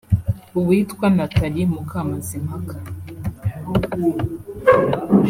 uwitwa Nathalie Mukamazimpaka